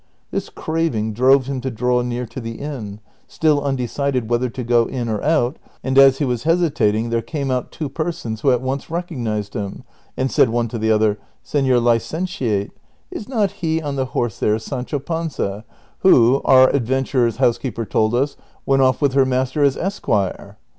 This craving drove him to draw near to the inn, still imdecided whether to go in or not, and as he was hesitating there came out two persons who at once recognized him, and said one to the other, " Seiior licentiate, is not he on the horse there Sancho Panza who, our advent urer's housekeeper told us, Avent off with her master as esquire